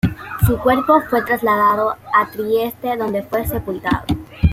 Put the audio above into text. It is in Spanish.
Su cuerpo fue trasladado a Trieste, donde fue sepultado.